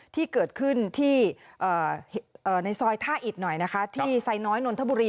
ที่เกิดขึ้นที่ในซอยท่าอิดหน่อยนะคะที่ไซน้อยนนทบุรี